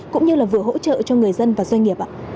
cũng như là vừa hỗ trợ cho người dân và doanh nghiệp ạ